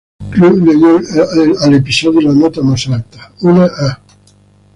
Club le dio al episodio la nota más alta, una "A".